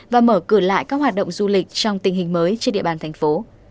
và mở cửa lại các hoạt động du lịch trong tình hình mới trên địa bàn thành phố